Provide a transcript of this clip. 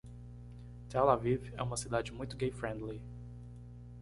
Tel Aviv é uma cidade muito gay friendly.